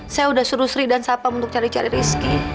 saya sudah suruh sri dan sapam untuk cari cari rizky